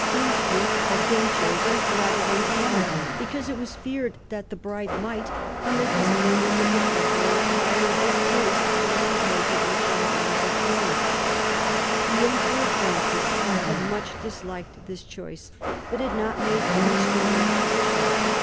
Innsbruck had been chosen rather than Vienna, because it was feared that the bride might, . amid the splendours of the capital, acquire a distaste for the comparatively quiet life of Florence. The Emperor Francis had much disliked this choice, but had not made any strong opposition.